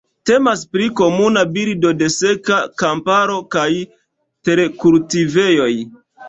Temas pri komuna birdo de seka kamparo kaj terkultivejoj.